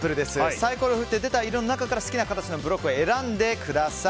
サイコロを振って出た色の中から好きな形のブロックを選んでください。